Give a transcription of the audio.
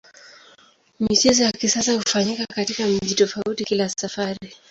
Michezo ya kisasa hufanyika katika mji tofauti kila safari.